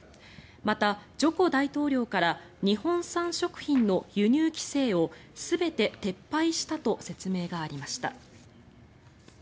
また、ジョコ大統領から日本産食品の輸入規制を全て撤廃したと説明がありました。